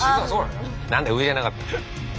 何だ上じゃなかった。